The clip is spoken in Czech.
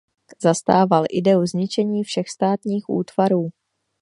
Zastával ideu zničení všech státních útvarů.